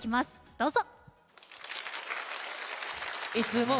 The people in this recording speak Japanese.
どうぞ。